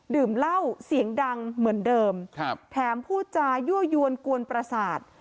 ดื่มเหล้าเสียงดังเหมือนเดิมแถมพูดจายั่วยวนกวนประสาท